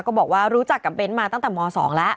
บอกว่ารู้จักกับเน้นมาตั้งแต่ม๒แล้ว